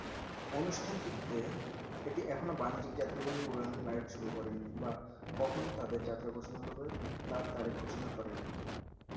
অনুষ্ঠানটিতে, এটি এখনও বাণিজ্যিক যাত্রীবাহী উড়ান ফ্লাইট শুরু করেনি, বা কখন তাদের যাত্রা শুরু করবে তার তারিখ ঘোষণা করেনি।